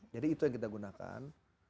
jadi itu yang kita gunakan